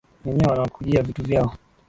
Wenyewe wanakujia vitu vyao